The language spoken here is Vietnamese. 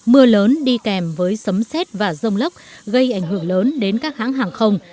mưa lớn đi kèm với sấm xét và rông lốc gây ảnh hưởng lớn đến các hãng hàng không